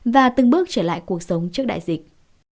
và từng bước trở lại cuộc sống trước đại dịch